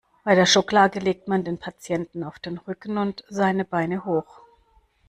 Bei der Schocklage legt man den Patienten auf den Rücken und seine Beine hoch.